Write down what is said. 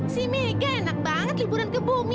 si mega enak banget liburan ke bumi